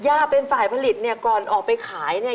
ย่าเป็นฝ่ายผลิตนี่ก่อนออกไปขายนี่